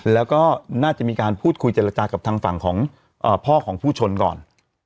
แล้วก็น่าจะมีการพูดคุยเจรจากับทางฝั่งของพ่อของผู้ชนก่อน